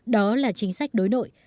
đó là chính sách đối nội